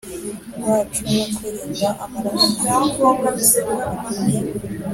bacu no kwirinda amaraso